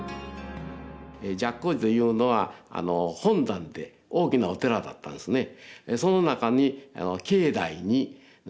寂光寺というのは本山で大きなお寺だったんですね。